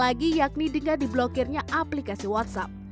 lagi yakni dengan diblokirnya aplikasi whatsapp